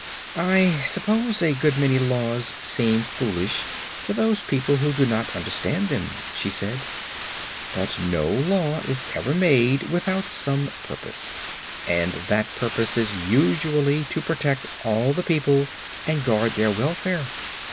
"I suppose a good many laws seem foolish to those people who do not understand them," she said; "but no law is ever made without some purpose, and that purpose is usually to protect all the people and guard their welfare.